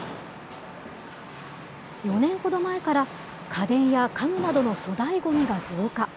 ４年ほど前から家電や家具などの粗大ごみが増加。